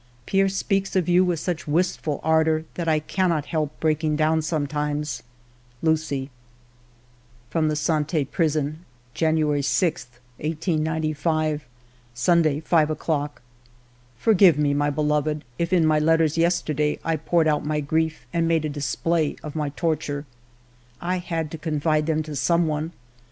Pierre speaks of you with such wistful ardor that 1 cannot help breaking down sometimes. Lucie." From the Sante Prison :—January 6, 1895, Sunday, 5 o'clock. " Forgive me, my beloved, if in my letters yesterday I poured out my grief and made a display of my torture. I had to confide them 56 FIVE YEARS OF MY LIFE to some one